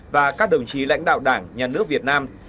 và các đồng chí lãnh đạo đảng nhà nước việt nam